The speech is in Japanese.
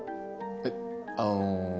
えっあの。